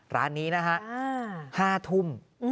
ร้านนี้นะฮะ๕ทุ่ม